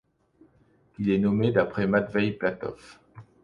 Il est nommé d'après Matvei Platov.